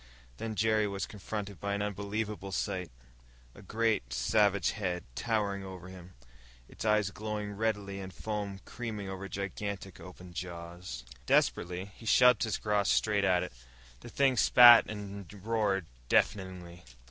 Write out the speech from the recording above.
Then Jerry was confronted by an unbelievable sight a great, savage head, towering over him, its eyes glowing redly and foam creaming over gigantic, open jaws. Desperately, he shoved his cross straight at it. The thing spat and roared deafeningly.